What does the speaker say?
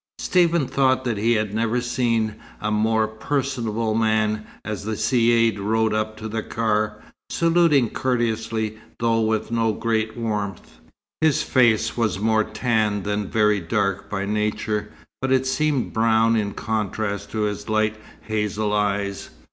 Stephen thought that he had never seen a more personable man as the Caïd rode up to the car, saluting courteously though with no great warmth. His face was more tanned than very dark by nature, but it seemed brown in contrast to his light hazel eyes.